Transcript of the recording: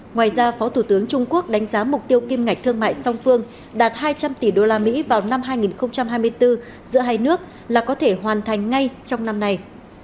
ngoài ra phó thủ tướng trung quốc đánh giá mục tiêu kim ngạch thương mại song phương đạt hai trăm linh tỷ usd vào năm hai nghìn hai mươi bốn giữa hai nước là có thể hoàn thành ngay trong năm nay